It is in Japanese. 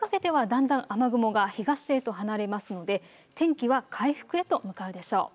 ただ、あすにかけてはだんだん雨雲が東へと離れますので天気は回復へと向かうでしょう。